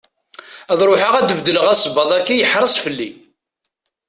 Ad ruḥeɣ ad d-beddleɣ asebbaḍ-agi, yeḥreṣ fell-i.